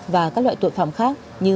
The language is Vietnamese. và các loại tội phạm khác như